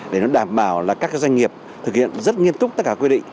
để nó đảm bảo là các doanh nghiệp thực hiện rất nghiên túc tất cả quyết định